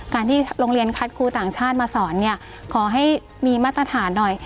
การที่โรงเรียนคัดครูต่างชาติมาสอนเนี่ยขอให้มีมาตรฐานหน่อย